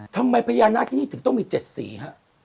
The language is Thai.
ทำไมพญานาคีนี้ถึงต้องมีเจ็ดสีฮะ